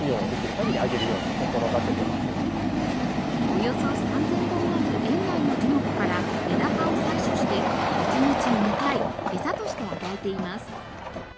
およそ３０００本ある園内の樹木から枝葉を採取して１日２回餌として与えています。